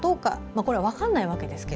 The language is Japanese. これは分からないわけですが。